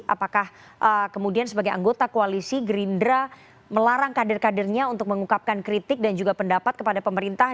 apakah anda melarang kadir kadirnya untuk mengungkapkan kritik dan juga pendapat kepada pemerintah